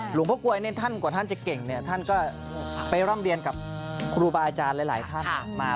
หลวงพ่อกลวยเนี่ยท่านกว่าท่านจะเก่งเนี่ยท่านก็ไปร่ำเรียนกับครูบาอาจารย์หลายท่านมา